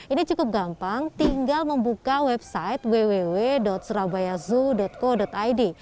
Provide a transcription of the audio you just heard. ini cukup gampang tinggal membuka website www surabaya zoo co id